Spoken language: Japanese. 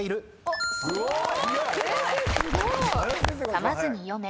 かまずに読め。